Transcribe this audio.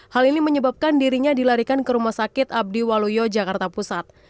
hal ini menyebabkan dirinya dilarikan ke rumah sakit abdi waluyo jakarta pusat